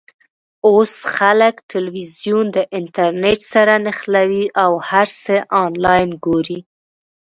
اوس خلک ټلویزیون د انټرنېټ سره نښلوي او هر څه آنلاین ګوري.